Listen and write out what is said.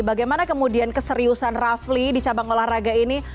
bagaimana kemudian keseriusan rafli di cabang olahraga ini